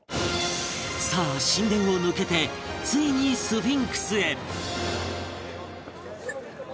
さあ神殿を抜けてついにスフィンクスへ